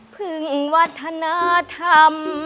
พึ่งวัฒนธรรม